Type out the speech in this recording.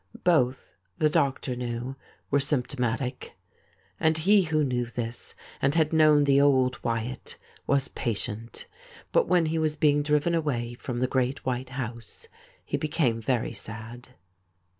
Both, the doctor knew, were symp tomatic. And he who knew this, and had known the old Wyatt, was patient ; but when he was being driven away from the great white house he be came very sad.